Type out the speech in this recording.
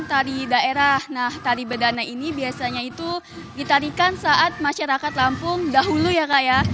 tari daerah nah tari bedana ini biasanya itu ditarikan saat masyarakat lampung dahulu ya kak ya